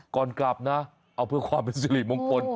ก่อนกลับนะเอาเพื่อความเป็นสิริมงคล